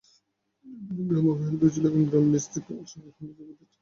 দীর্ঘদিন গ্রাম অবহেলিত ছিল, এখন গ্রাম নিজে থেকেই সেই অবহেলার জবাব দিচ্ছে।